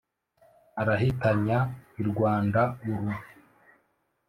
arahitanya i rwanda uru.